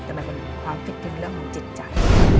แต่มันมีความคิดถึงเรื่องของจิตใจ